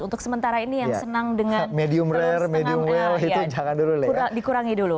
untuk sementara ini yang senang dengan telur setengah air dikurangi dulu